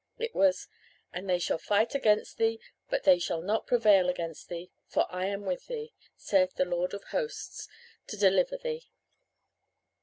It was 'And they shall fight against thee but they shall not prevail against thee, for I am with thee, saith the Lord of Hosts, to deliver thee.'